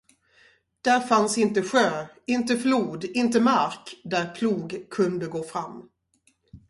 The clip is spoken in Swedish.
Där fanns inte sjö, inte flod, inte mark, där plog kunde gå fram.